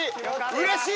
うれしい！